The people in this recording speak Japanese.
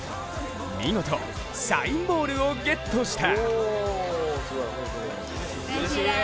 見事、サインボールをゲットした。